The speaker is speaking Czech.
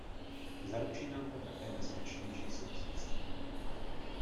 Zaručí nám to také bezpečnější sousedství.